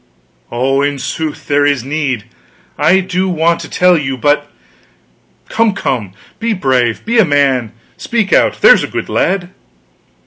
"Oh, in sooth, there is need! I do want to tell you, but " "Come, come, be brave, be a man speak out, there's a good lad!"